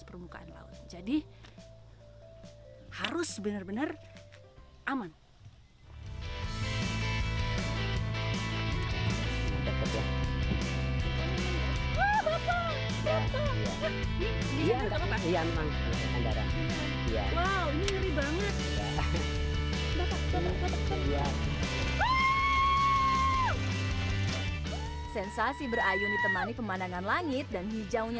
perbukitan jelinggo di kabupaten bantul juga naik daun